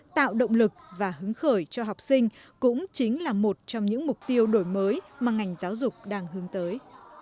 tạo động lực và hứng khởi cho học sinh cũng chính là một trong những mục tiêu đổi mới mà ngành giáo dục đang hướng tới